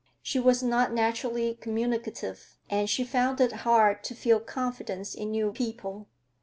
She was not naturally communicative, and she found it hard to feel confidence in new people.